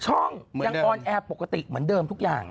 ช่องยังออนแอร์ปกติเหมือนเดิมทุกอย่าง